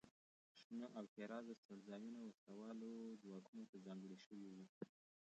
شنه او ښېرازه څړځایونه وسله والو ځواکونو ته ځانګړي شوي وو.